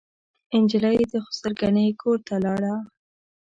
نجلۍ د خسر ګنې کورته لاړه.